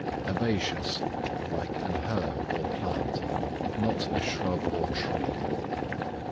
Herbaceous, like an herb or plant, not a shrub or tree.